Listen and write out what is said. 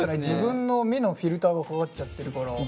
自分の目のフィルターがかかっちゃってるから。